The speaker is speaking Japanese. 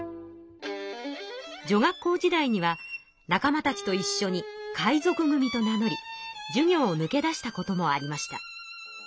女学校時代には仲間たちといっしょに海賊組と名のり授業をぬけ出したこともありました。